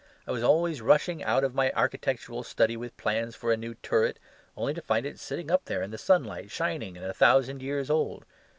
I was always rushing out of my architectural study with plans for a new turret only to find it sitting up there in the sunlight, shining, and a thousand years old.